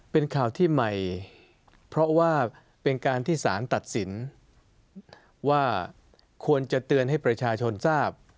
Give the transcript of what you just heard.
เป็นข่าวที่ใหม่เพราะว่าเป็นการที่สารตัดสินว่าควรจะเตือนให้ประชาชนทราบ